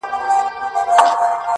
ګېډۍ، ګېډۍ ګلونه وشيندله!